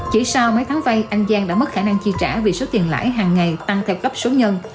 chỉ sau mấy tháng vay anh giang đã mất khả năng chi trả vì số tiền lãi hàng ngày tăng theo cấp số nhân